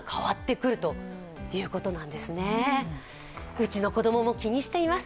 うちの子供も気にしています。